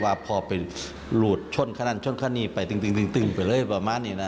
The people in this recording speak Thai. ว่าพอไปหลุดชนข้างนั้นชนข้างนี้ไปตึงประมาณนี้นะ